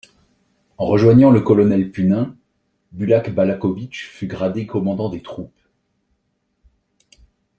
En rejoignant le colonel Punin, Bułak-Bałachowicz fut gradé commandant des troupes.